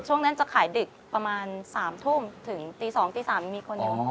ช่วงนั้นจะขายดึกประมาณ๓ทุ่มถึงตี๒ตี๓มีคนเดียว